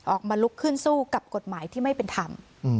ลุกขึ้นสู้กับกฎหมายที่ไม่เป็นธรรม